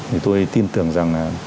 thì tôi tin tưởng rằng là